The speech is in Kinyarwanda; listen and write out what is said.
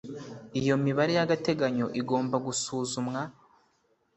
iyo mibare y agateganyo igomba gusuzumwa